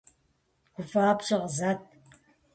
ГуфӀапщӀэ къызэт!